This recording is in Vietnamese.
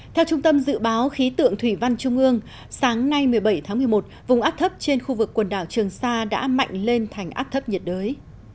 theo trung tâm dự báo khí tượng thủy văn trung ương sáng nay một mươi bảy tháng một mươi một vùng áp thấp trên khu vực quần đảo trường sa đã mạnh lên thành áp thấp nhiệt đới